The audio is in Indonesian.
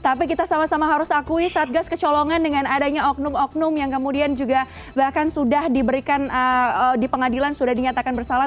tapi kita sama sama harus akui satgas kecolongan dengan adanya oknum oknum yang kemudian juga bahkan sudah diberikan di pengadilan sudah dinyatakan bersalah